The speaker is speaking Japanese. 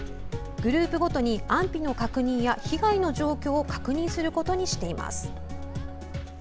グループごとに安否の確認や被害の状況を確認することにしています。